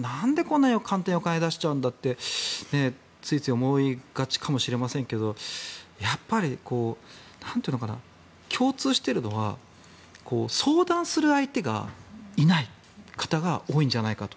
なんで簡単にお金を出しちゃうんだってついつい思いがちかもしれませんがやっぱり共通しているのは相談する相手がいない方が多いんじゃないかと。